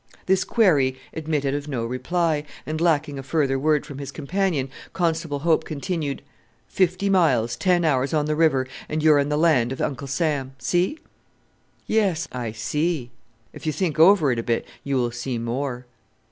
This query admitted of no reply, and lacking a further word from his companion, Constable Hope continued, "Fifty miles, ten hours on the river and you are in the land of Uncle Sam! See?" "Yes, I see." "If you think over it a bit you will see more."